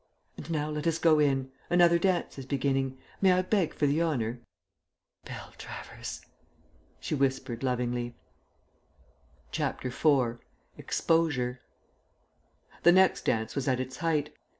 "And now let us go in. Another dance is beginning. May I beg for the honour?" "Beltravers," she whispered lovingly. CHAPTER IV EXPOSURE The next dance was at its height.